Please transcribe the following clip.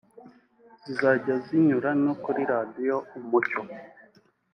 zizajya zinyura no kuri Radiyo Umucyo